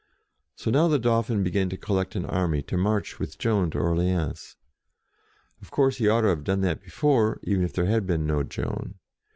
So now the Dauphin began to collect an army to march with Joan to Orleans. Of course he ought to have done that before, even if there had been no Joan.